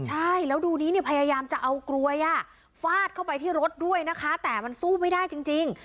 ใช่แล้วดูนี้เนี่ยพยายามจะเอากลวยฟาดเข้าไปที่รถด้วยนะคะแต่มันสู้ไม่ได้จริง